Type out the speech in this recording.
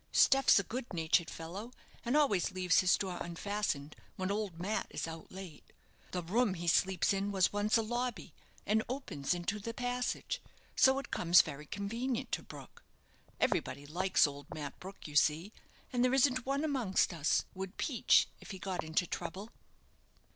Steph's a good natured fellow, and always leaves his door unfastened when old Mat is out late. The room he sleeps in was once a lobby, and opens into the passage; so it comes very convenient to Brook. Everybody likes old Mat Brook, you see; and there isn't one amongst us would peach if he got into trouble."